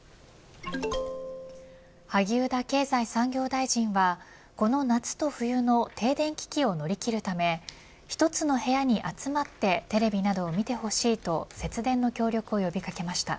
萩生田経済産業大臣はこの夏と冬の停電危機を乗り切るため１つの部屋に集まってテレビなどを見てほしいと節電の協力を呼び掛けました。